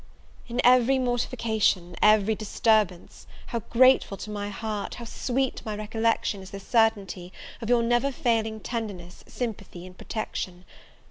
In every mortification, every disturbance, how grateful to my heart, how sweet to my recollection, is the certainty of your never failing tenderness, sympathy and protection!